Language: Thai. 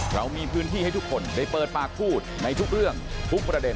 เรามีพื้นที่ให้ทุกคนได้เปิดปากพูดในทุกเรื่องทุกประเด็น